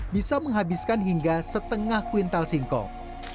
bisa menghabiskan hingga setengah kuintal singkong